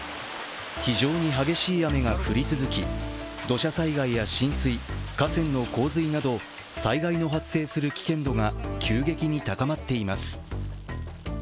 非常に激しい雨が降り続き土砂災害や浸水、河川の洪水など災害の発生する危険度が急激に高まっています。